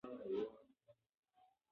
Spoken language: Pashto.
د پټي خزانې مؤلف محمد هوتک دﺉ.